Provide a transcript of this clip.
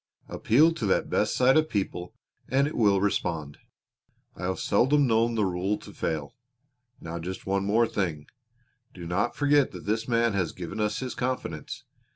Appeal to that best side of people and it will respond. I have seldom known the rule to fail. Now just one thing more. Do not forget that this man has given us his confidence.